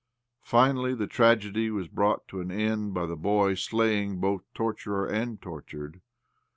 Finally the tragedy was brought to an end by the boy slaying both torturer and tortured.